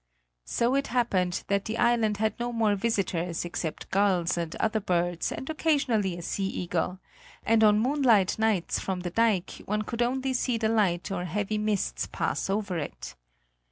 So it happened that the island had no more visitors except gulls and other birds and occasionally a sea eagle; and on moonlight nights from the dike one could only see the light or heavy mists pass over it.